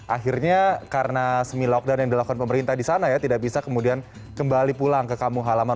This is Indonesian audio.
akhirnya karena semi lockdown yang dilakukan pemerintah di sana ya tidak bisa kemudian kembali pulang ke kampung halaman